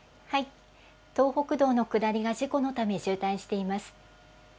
東北道の下りが事故のため渋滞しています。